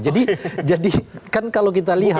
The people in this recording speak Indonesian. jadi kan kalau kita lihat